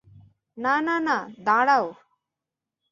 না, না, না, দাঁড়াও!